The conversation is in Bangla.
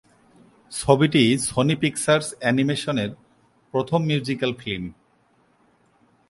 ছবিটি সনি পিকচার্স অ্যানিমেশনের প্রথম মিউজিক্যাল ফিল্ম।